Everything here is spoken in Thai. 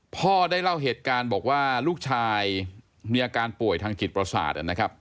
พ่อได้เล่าเหตุการณ์บอกว่าลูกชายมีอาการป่วยทางจิตประสาทนะครับ